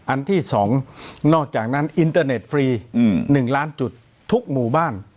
อันที่๒นอกจากนั้นอินเตอร์เน็ตฟรี๑ล้านจุดทุกหมู่บ้าน